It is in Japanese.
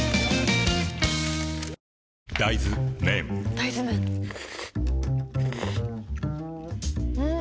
大豆麺ん？